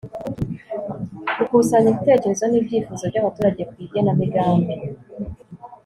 gukusanya ibitekerezo n ibyifuzo by abaturage ku igenamigambi